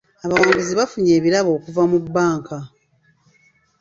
Abawanguzi baafunye ebirabo okuva mu bbanka.